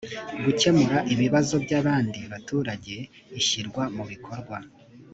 gukemura ibibazo by abandi baturage ishyirwa mu bikorwa